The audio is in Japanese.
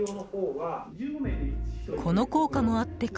この効果もあってか